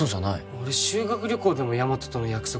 俺修学旅行でもヤマトとの約束